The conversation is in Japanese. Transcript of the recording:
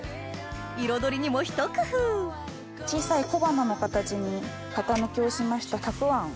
彩りにもひと工夫小さい小花の形に型抜きをしましたたくあんを。